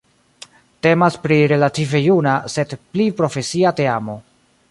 Temas pri relative juna, sed pli profesia teamo.